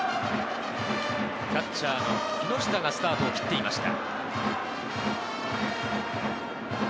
キャッチャーの木下がスタートを切っていました。